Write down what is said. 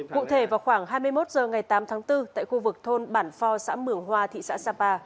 cụ thể vào khoảng hai mươi một h ngày tám tháng bốn tại khu vực thôn bản phò xã mường hoa thị xã sapa